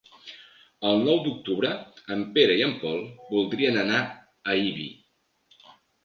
El nou d'octubre en Pere i en Pol voldrien anar a Ibi.